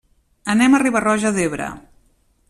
Anem a Riba-roja d'Ebre.